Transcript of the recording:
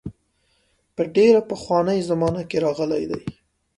په ډېره پخوانۍ زمانه کې راغلي دي.